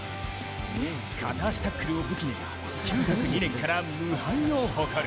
片足タックルを武器に中学２年から無敗を誇る。